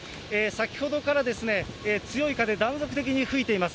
先ほどから、強い風、断続的に吹いています。